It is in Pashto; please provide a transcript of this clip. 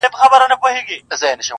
• تر ماپښینه وو آس څوځایه ویشتلی -